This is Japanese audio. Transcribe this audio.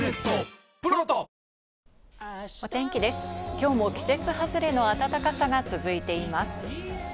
今日も季節外れの暖かさが続いています。